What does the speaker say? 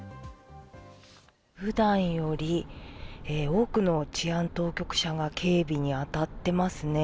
普段より多くの治安当局者が警備に当たってますね。